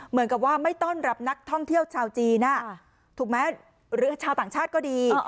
เหมือนกับว่าไม่ต้อนรับนักท่องเที่ยวชาวจีนถูกไหมหรือชาวต่างชาติก็ดี